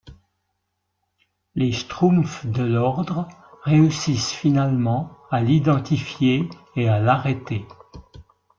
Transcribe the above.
Les Schtroumpfs de l'ordre réussissent finalement à l'identifier et à l'arrêter.